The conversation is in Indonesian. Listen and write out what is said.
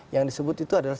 yang disebut itu adalah